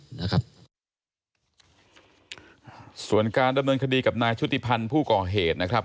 ส่วนการดำเนินคดีกับนายชุติพรรณผู้เกาะเหตุนะครับ